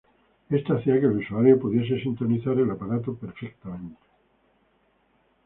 Esto hacía que el usuario pudiese sintonizar el aparato perfectamente.